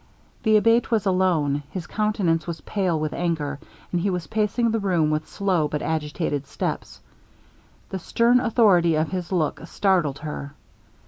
The Abate was alone. His countenance was pale with anger, and he was pacing the room with slow but agitated steps. The stern authority of his look startled her.